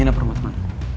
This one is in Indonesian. ini apa rumah teman